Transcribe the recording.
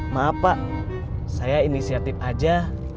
maaf pak saya inisiatif aja